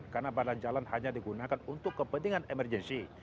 karena badan jalan hanya digunakan untuk kepentingan emergensi